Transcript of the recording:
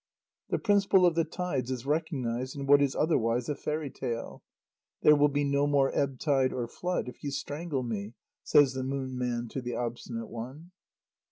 The principle of the tides is recognized in what is otherwise a fairy tale; "There will be no more ebb tide or flood if you strangle me," says the Moon Man to the Obstinate One.